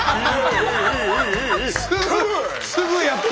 すぐやった！